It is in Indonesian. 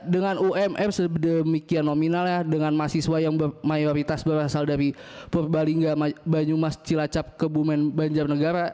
dengan umr sedemikian nominalnya dengan mahasiswa yang mayoritas berasal dari purbalingga banyumas cilacap kebumen banjarnegara